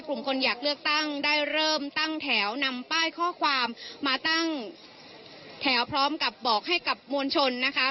กลุ่มคนอยากเลือกตั้งได้เริ่มตั้งแถวนำป้ายข้อความมาตั้งแถวพร้อมกับบอกให้กับมวลชนนะคะ